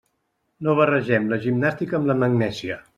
No barregem la gimnàstica amb la magnèsia.